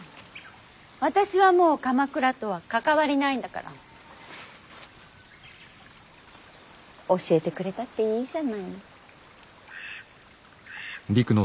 私はもう鎌倉とは関わりないんだから教えてくれたっていいじゃない。